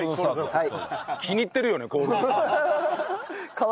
はい。